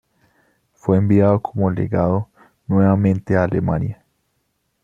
Fue enviado como legado nuevamente a Alemania.